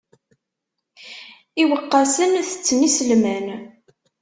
Iweqqasen tetten iselman.